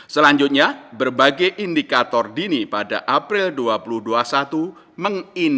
selanjutnya berbagai indikator dini pada april dua ribu dua puluh satu mengindikasikan ke depan ekonomi global akan terus membaik